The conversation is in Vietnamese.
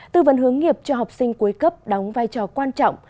tư vấn hướng nghiệp cho học sinh cuối cấp đóng vai trò quan trọng